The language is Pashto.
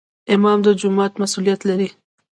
امام د جومات مسؤولیت لري